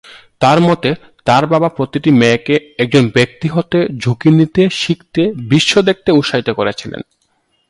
তার মতে, তার বাবা তার প্রতিটি মেয়েকে "একজন ব্যক্তি হতে, ঝুঁকি নিতে, শিখতে, বিশ্ব দেখতে" উৎসাহিত করেছিলেন।